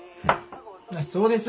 そうです。